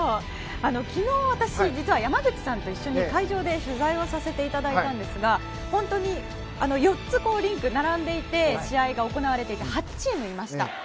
昨日、私実は山口さんと一緒に会場で取材させていただいたんですが本当に４つリンク並んでいて試合が行われていて８チームいました。